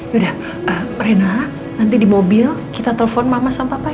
yaudah rena nanti di mobil kita telpon mama sama papa ya